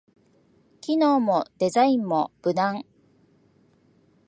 機能もデザインも無難